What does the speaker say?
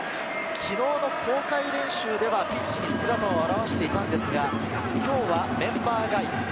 昨日の公開練習ではピッチに姿を現していたんですが、今日はメンバー外。